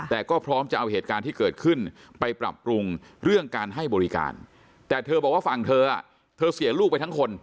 แต่ก็พร้อมจะเอาเหตุการณ์ที่เกิดขึ้นไปปรับปรุงเรื่องการให้บริการแต่เธอบอกว่าฝั่งเธอเธอเสียลูกไปทั้งคน